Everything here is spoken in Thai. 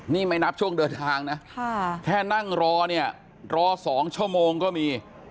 นี่ไม่นับช่วงเดินทางนะแค่นั่งรอเนี่ยรอ๒ชั่วโมงก็มี